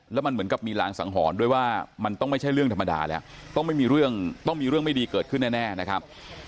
แล้วมันเหมือนกับมีรางสังหรณ์ด้วยว่ามันต้องไม่ใช่เรื่องธรรมดาแล้วต้องไม่มีเรื่องต้องมีเรื่องไม่ดีเกิดขึ้นแน่นะครับ